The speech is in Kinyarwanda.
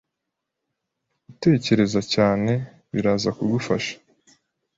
Utekereza cyane biraza kugufasha